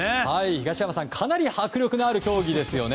東山さんかなり迫力がある競技ですよね。